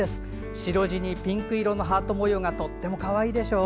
白地にピンク色のハート模様がとてもかわいいでしょう？